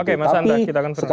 oke mas anda kita akan pernah